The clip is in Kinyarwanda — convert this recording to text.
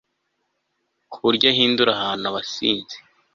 ku buryo ahindura abantu abasinzi